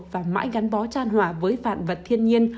và mãi gắn bó tran hỏa với vạn vật thiên nhiên